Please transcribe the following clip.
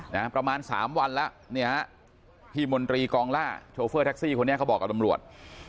ประมาณสามวันแล้วเนี่ยฮะพี่มนตรีกองล่าโชเฟอร์แท็กซี่คนนี้เขาบอกกับตำรวจ